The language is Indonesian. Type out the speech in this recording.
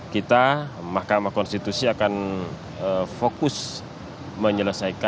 kita mahkamah konstitusi akan fokus menyelesaikan